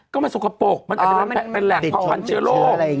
ก็มันสุขปกมันอาจจะเป็นแหล่งผลของชีวิตโรค